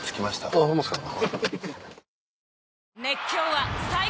あぁホンマですか。